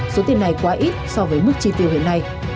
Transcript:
số tiền này quá ít so với mức chi tiêu hiện nay